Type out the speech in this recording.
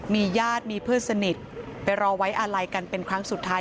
มีญาติมีเพื่อนสนิทไปรอไว้อาลัยกันเป็นครั้งสุดท้าย